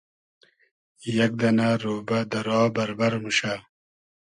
یئگ دئنۂ رۉبۂ دۂ را بئربئر موشۂ